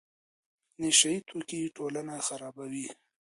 نشه یي توکي ټولنه خرابوي.